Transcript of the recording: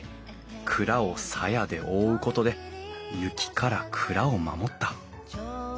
蔵を鞘で覆うことで雪から蔵を守った。